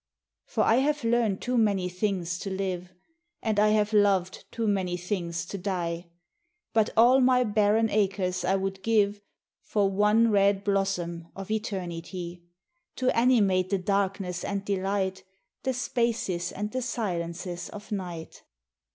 5 ' AUTUMNAL For I have learnt too many things to live, And I have loved too many things to die; But all my barren acres I would give For one red blossom of eternity, To animate the darkness and delight The spaces and the silences of night.